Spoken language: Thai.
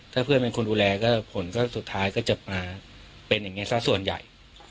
ถ้าเพื่อนเป็นคนดูแลก็ผลก็สุดท้ายก็จะมาเป็นอย่างนี้สักส่วนใหญ่